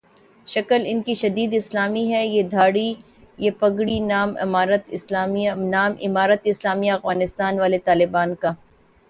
شکل انکی شدید اسلامی ہے ، یہ دھاڑی ، یہ پگڑی ، نام امارت اسلامیہ افغانستان والے طالبان کا ۔